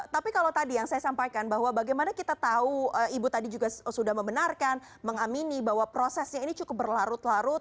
tapi kalau tadi yang saya sampaikan bahwa bagaimana kita tahu ibu tadi juga sudah membenarkan mengamini bahwa prosesnya ini cukup berlarut larut